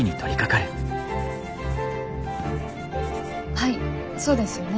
はいそうですよね。